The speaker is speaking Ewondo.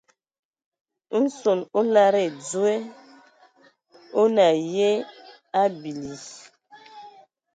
Nson o lada ai dzɔ o nə aye yə a bili.